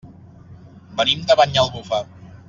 Venim de Banyalbufar.